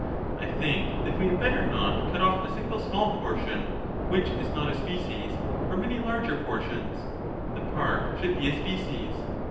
I think that we had better not cut oflF a single small ^*^^ portion which is not a species, from many larger portions ;^®.'^^^ the part should be a species.